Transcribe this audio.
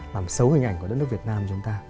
làm xấu hình ảnh của đất nước việt nam chúng ta